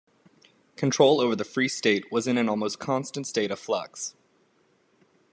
Control over the Free State was in an almost constant state of flux.